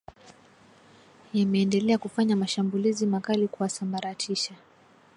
yameendelea kufanya mashambulizi makali kuwasambaratisha